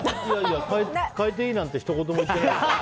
変えていいなんてひと言も言ってないよ。